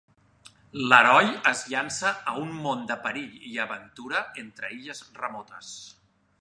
L'heroi es llança a un món de perill i aventura entre illes remotes.